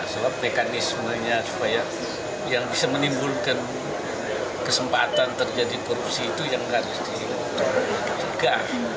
sebab mekanismenya supaya yang bisa menimbulkan kesempatan terjadi korupsi itu yang harus dicegah